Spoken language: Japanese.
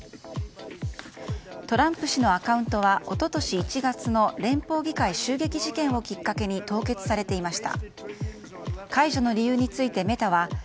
トランプ氏のアカウントは一昨年１月の連邦議会襲撃事件をきっかけに凍結されていました。